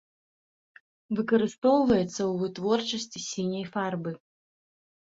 Выкарыстоўваецца ў вытворчасці сіняй фарбы.